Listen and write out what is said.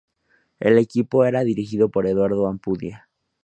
El equipo era dirigido por Eduardo Ampudia.